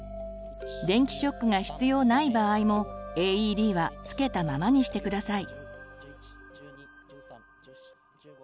電気ショックが必要ない場合もＡＥＤはつけたままにしてください。